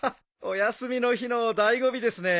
お休みの日の醍醐味ですね。